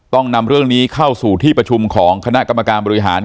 ต้องนำเรื่องนี้เข้าสู่ที่ประชุมของคณะกรรมการบริหาร